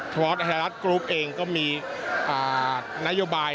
เพราะว่าไทยรัฐกรุ๊ปเองก็มีนโยบาย